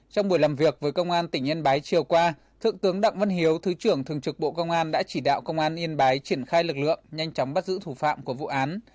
trong buổi làm việc với công an tỉnh yên bái chiều qua thượng tướng đặng văn hiếu thứ trưởng thường trực bộ công an đã chỉ đạo công an yên bái triển khai lực lượng nhanh chóng bắt giữ thủ phạm của vụ án